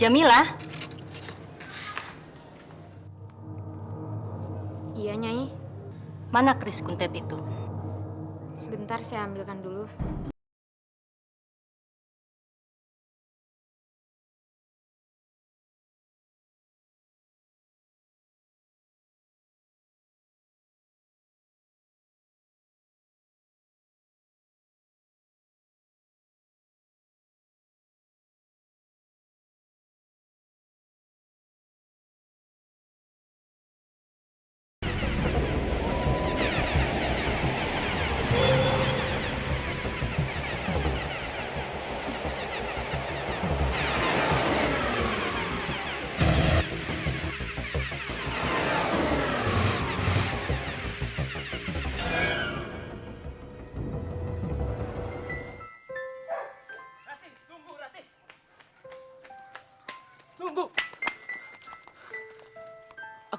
mimpi buruk juga